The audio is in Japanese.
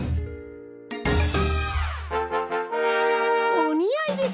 おにあいです！